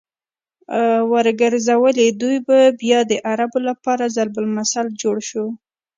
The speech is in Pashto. ورګرځولې!! دوی بيا د عربو لپاره ضرب المثل جوړ شو